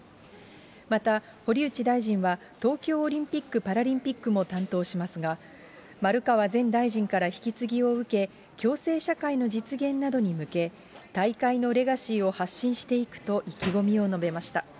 また堀内大臣は、東京オリンピック・パラリンピックも担当しますが、丸川前大臣から引き継ぎを受け、共生社会の実現などに向け、大会のレガシーを発信していくと意気込みを述べました。